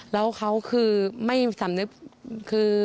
แล้วเขาคือไม่สำนึกคือ